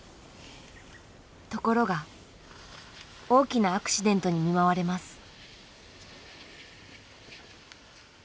ところが大きなアクシデントに見舞われます。